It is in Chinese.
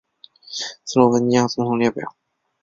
斯洛文尼亚总统列表